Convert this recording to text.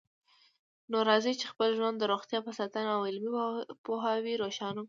نو راځئ چې خپل ژوند د روغتیا په ساتنه او علمي پوهاوي روښانه کړو